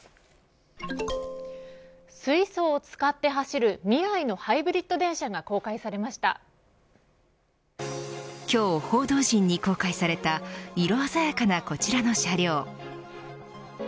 水素を使って走る未来のハイブリッド電車が今日、報道陣に公開された色鮮やかなこちらの車両。